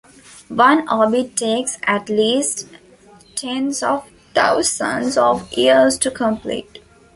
One orbit takes at least tens of thousands of years to complete.